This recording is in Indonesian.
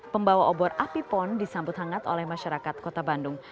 pembawa obor api pon disambut hangat oleh masyarakat kota bandung